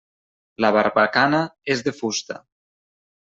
La barbacana és de fusta.